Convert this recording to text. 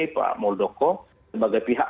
pak moldoko sebagai pihak